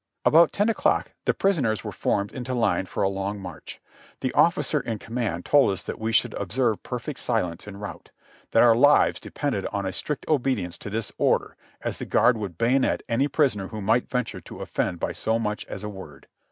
About ten o'clock the prisoners were formed into line for a long march. The ofificer in command told us that we should ob serve perfect silence en route; that our lives depended on a strict obedience to this order as the guard would bayonet any prisoner who might venture to offend by so much as a word.